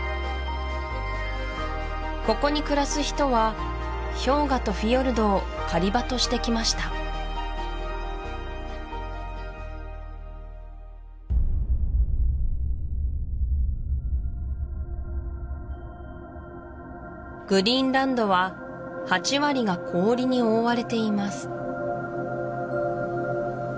ここに暮らす人は氷河とフィヨルドを狩場としてきましたグリーンランドは８割が氷に覆われています